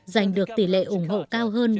giành được tỷ lệ ủng hộ cao hơn